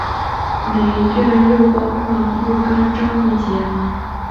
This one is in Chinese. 每一卷又包括若干章和节。